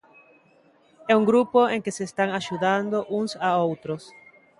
É un grupo en que se están axudando uns a outros.